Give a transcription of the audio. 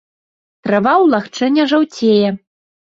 Трава ў лагчыне жаўцее.